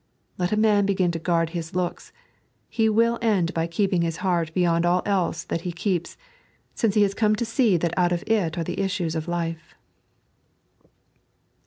Let a man begin to guard his looks, he will end by keeping his heart beyond all else that he keeps, since ho has come to see that out of it are the ifisues of life.